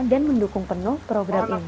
dan mendukung penuh program ini